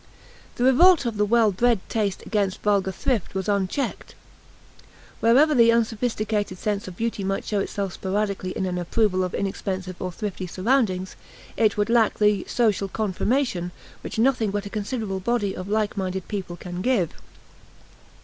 The revolt of the well bred taste against vulgar thrift was unchecked. Wherever the unsophisticated sense of beauty might show itself sporadically in an approval of inexpensive or thrifty surroundings, it would lack the "social confirmation" which nothing but a considerable body of like minded people can give.